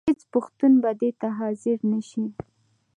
هېڅ پښتون به دې ته حاضر نه شي.